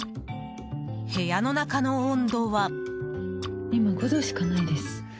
部屋の中の温度は。